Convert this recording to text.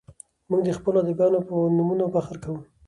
موږ د خپلو ادیبانو په نومونو فخر کوو.